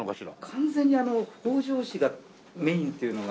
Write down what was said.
完全に北条氏がメインっていうのが。